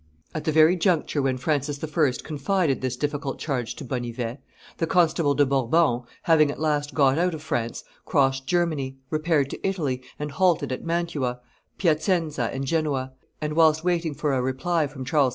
At the very juncture when Francis I. confided this difficult charge to Bonnivet, the Constable de Bourbon, having at last got out of France, crossed Germany, repaired to Italy, and halted at Mantua, Piacenza, and Genoa; and, whilst waiting for a reply from Charles V.